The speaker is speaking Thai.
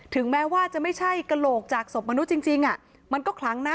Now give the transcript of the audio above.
แม้ว่าจะไม่ใช่กระโหลกจากศพมนุษย์จริงมันก็คลั้งนะ